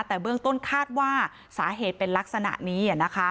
แต่เบื้องต้นคาดว่าสาเหตุเป็นลักษณะนี้